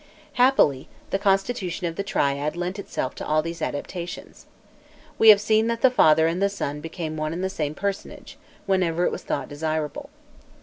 Happily, the constitution of the triad lent itself to all these adaptations. We have seen that the father and the son became one and the same personage, whenever it was thought desirable.